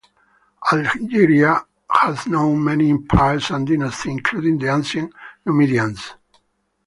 Algeria has known many empires and dynasties, including the ancient Numidians.